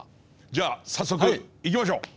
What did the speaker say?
じゃあ、早速いきましょう。